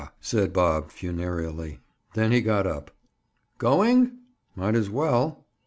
said Bob funereally. Then he got up. "Going?" "Might as well."